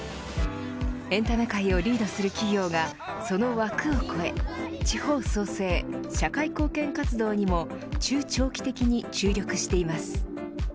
エンタメ界をリードする企業がその枠を超え地方創生、社会貢献活動にも中長期的に注力しています。